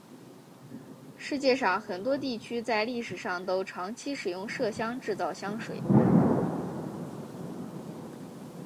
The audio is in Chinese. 世界上很多地区在历史上都长期使用麝香制造香水。